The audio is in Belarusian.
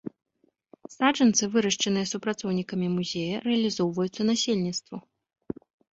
Саджанцы, вырашчаныя супрацоўнікамі музея, рэалізоўваюцца насельніцтву.